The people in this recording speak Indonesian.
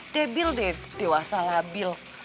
debil deh dewasa labil